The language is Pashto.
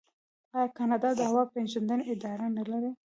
آیا کاناډا د هوا پیژندنې اداره نلري؟